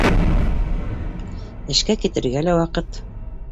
Эшкә китергә лә ваҡыт.